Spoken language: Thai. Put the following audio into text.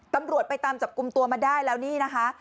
ตำรวจไปตามจับกลุ่มตัวมาได้แล้วนี่นะคะ